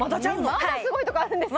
まだすごいところあるんですか？